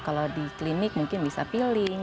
kalau di klinik mungkin bisa feeling